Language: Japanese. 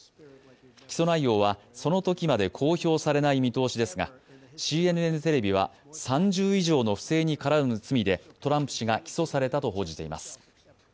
起訴内容は、そのときまで公表されない見通しですが、ＣＮＮテレビは３０以上の不正に絡む罪でトランプ氏が起訴されたと報じています。